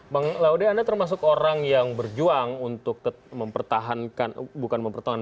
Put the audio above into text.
bang laude anda termasuk orang yang berjuang untuk mempertahankan bukan mempertahankan